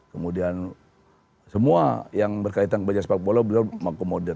kemudian semua yang berkaitan ke sepak bola beliau mengkomodir